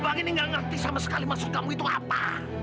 bang ini gak ngerti sama sekali maksud kamu itu apa